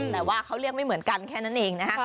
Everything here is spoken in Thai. แต่ว่าเขาเรียกไม่เหมือนกันแค่นั้นเองนะฮะ